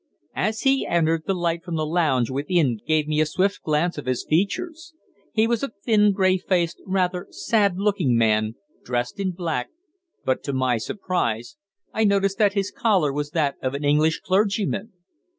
As he entered, the light from the lounge within gave me a swift glance of his features. He was a thin, grey faced, rather sad looking man, dressed in black, but, to my surprise, I noticed that his collar was that of an English clergyman!